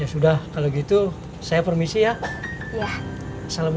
ya sudah kalau gitu saya permisi ya